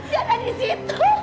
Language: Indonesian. dia ada di situ